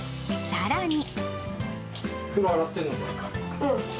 さらに。